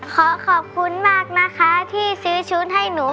ขอขอบคุณมากนะคะที่ซื้อชุดให้หนู